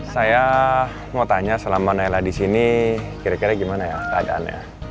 saya mau tanya selama naila di sini kira kira gimana ya keadaannya